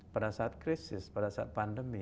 pada saat krisis pada saat pandemi